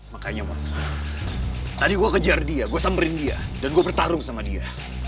makanya tadi gue kejar dia gue samperin dia dan gue bertarung sama dia